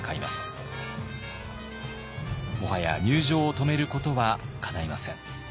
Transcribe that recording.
もはや入城を止めることはかないません。